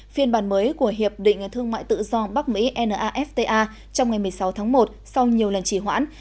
phiên bản mới của hiệp định thương mại tự do bắc mỹ nafta trong ngày một mươi sáu tháng một sau nhiều lần chỉ hoãn